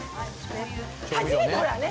初めてほらね